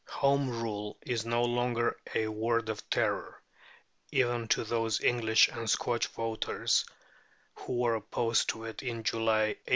Home Rule is no longer a word of terror, even to those English and Scotch voters who were opposed to it in July, 1886.